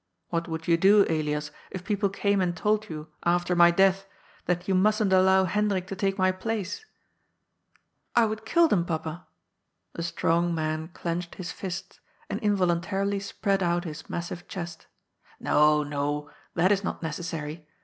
What would you do, Elias, if people came and told you, after my death, that you mustn't allow Hen drik to take my place ?"*^ I would kill them, Papa." The strong man clenched his fists, and involuntarily spread out his massive chest. *'No, no, that is not necessary.